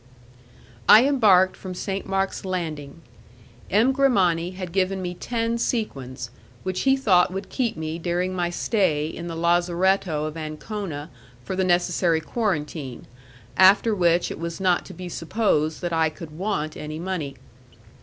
I embarked from St. Mark's landing. M. Grimani had given me ten sequins, which he thought would keep me during my stay in the lazzaretto of Ancona for the necessary quarantine, after which it was not to be supposed that I could want any money.